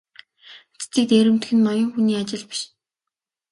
Хятадыг дээрэмдэх нь ноён хүний ажил биш.